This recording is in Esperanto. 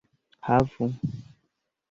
havu